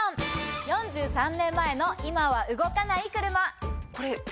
４３年前の今は動かない車。